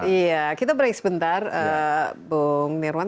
iya kita break sebentar bung nirwan